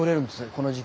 この時期。